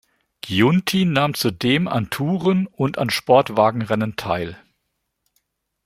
Giunti nahm zudem an Touren- und an Sportwagenrennen teil.